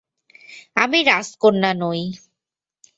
আমি রাজকন্যা নই।